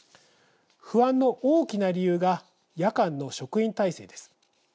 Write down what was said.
不安の大きな理由が夜間の職員態勢です。